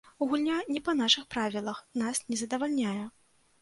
Гульня не па нашых правілах нас не задавальняе.